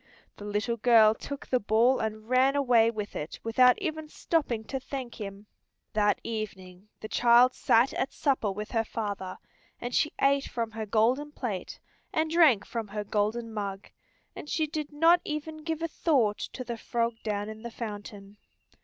The little girl took the ball and ran away with it without even stopping to thank him. That evening the child sat at supper with her father, and she ate from her golden plate, and drank from her golden mug, and she did not even give a thought to the frog down in the fountain.